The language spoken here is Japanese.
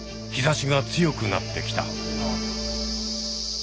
日ざしが強くなってきた。